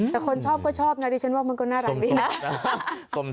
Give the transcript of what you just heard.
แต่คนชอบก็ชอบนะดิฉันว่ามันก็น่ารักดีนะ